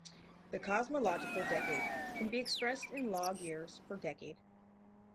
The cosmological decade can be expressed in log years per decade.